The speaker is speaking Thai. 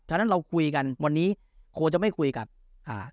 ฉะนั้นเราคุยกันวันนี้คงจะไม่คุยกับอ่า